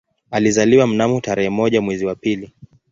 Alizaliwa mnamo tarehe moja mwezi wa pili